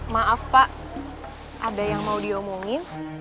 maaf pak ada yang mau diomongin